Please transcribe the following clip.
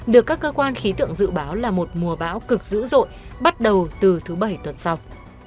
được các cơ quan khí tượng dự báo là một mùa bão cực dữ dội bắt đầu từ thứ bảy tuần sau